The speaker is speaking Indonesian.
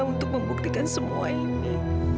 untuk membuktikan semua ini